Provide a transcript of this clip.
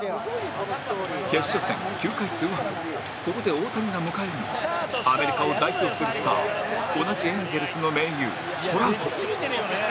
決勝戦９回２アウトここで大谷が迎えるのはアメリカを代表するスター同じエンゼルスの盟友トラウト